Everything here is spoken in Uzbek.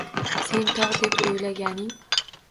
Sen tog’ deb o’ylaganing